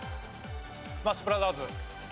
『スマッシュブラザーズ』。